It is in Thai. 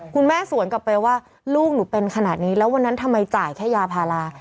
สวนกลับไปว่าลูกหนูเป็นขนาดนี้แล้ววันนั้นทำไมจ่ายแค่ยาพารา